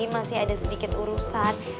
masih ada sedikit urusan